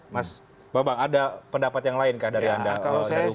mas bambang ada pendapat yang lain kak dari anda